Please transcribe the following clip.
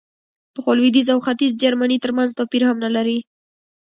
پخوا لوېدیځ او ختیځ جرمني ترمنځ توپیر هم نه لري.